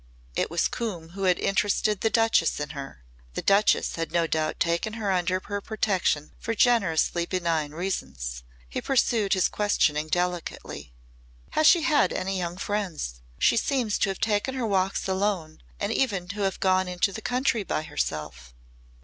It was Coombe who had interested the Duchess in her. The Duchess had no doubt taken her under her protection for generously benign reasons. He pursued his questioning delicately. "Has she had any young friends? She seems to have taken her walks alone and even to have gone into the country by herself."